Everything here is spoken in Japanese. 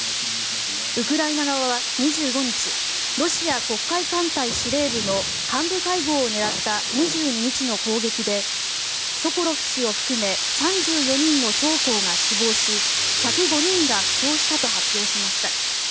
ウクライナ側は２５日ロシア黒海艦隊司令部の幹部会合を狙った２２日の攻撃でソコロフ氏を含め３４人の将校が死亡し１０５人が負傷したと発表しました。